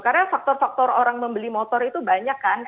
karena faktor faktor orang membeli motor itu banyak kan